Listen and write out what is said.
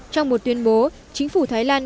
trong một tuyên bố chính phủ thái lan